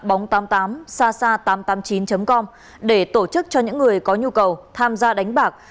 bóng tám mươi tám sasha tám trăm tám mươi chín com để tổ chức cho những người có nhu cầu tham gia đánh bạc